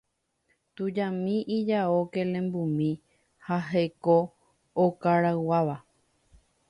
Tujami ijao kelembumi ha heko okarayguáva.